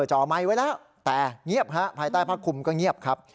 จ่อไมค์ไว้แล้วแต่เงียบฮะภายใต้ผ้าคุมก็เงียบครับ